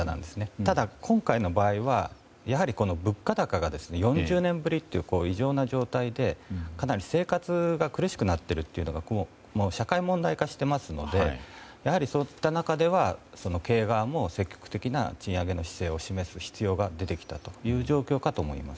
ただ、今回の場合はやはり、この物価高が４０年ぶりという異常な状態でかなり生活が苦しくなっているというのが社会問題化していますのでそういった中では経営側も積極的な賃上げの姿勢を示す必要が出てきた状況かと思います。